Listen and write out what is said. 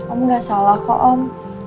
om gak salah kok om